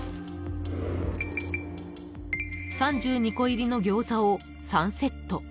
［３２個入りの餃子を３セット］